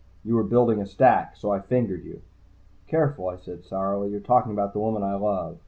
You were building a stack. So I fingered you." "Careful," I said sourly. "You're talking about the woman I love."